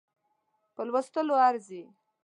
په لوستلو ارزي.